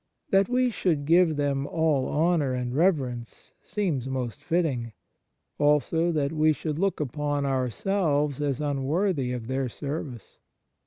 That we should give them all honour and reverence seems most fitting; also that we should look upon ourselves as unworthy of their service.